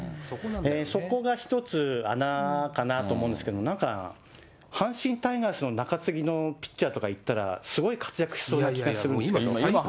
そこが一つ、穴かなと思うんですけど、なんか、阪神タイガースの中継ぎのピッチャーとかいったら、すごい活躍しそうな気がするんですけど。